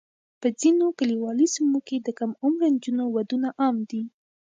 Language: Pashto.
په ځینو کلیوالي سیمو کې د کم عمره نجونو ودونه عام دي.